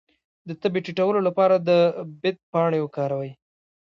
د تبې د ټیټولو لپاره د بید پاڼې وکاروئ